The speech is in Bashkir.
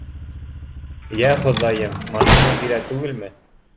Йә, Хоҙайым, машина килә түгелме!